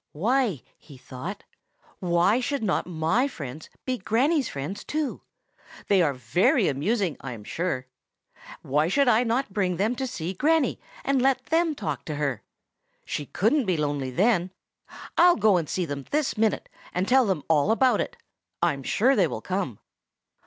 "Why," he thought,—"why should not my friends be Granny's friends too? They are very amusing, I am sure. Why should I not bring them to see Granny, and let them talk to her? She couldn't be lonely then. I'll go and see them this minute, and tell them all about it. I'm sure they will come."